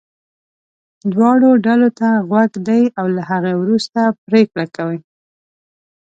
دواړو ډلو ته غوږ ږدي او له هغې وروسته پرېکړه کوي.